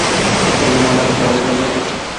মহান রামেসিস আমাদের জন্য অপেক্ষা করছেন!